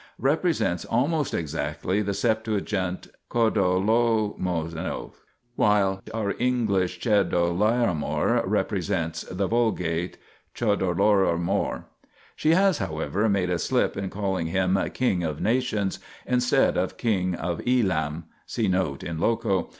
represents almost exactly the LXX XodoMoyojuog, while our Eng. Chedorlaomer represents the Vulg. Chodorlahomor. She has, however, made a slip in calling him " king of Nations " instead of king of Elam : see note in loco.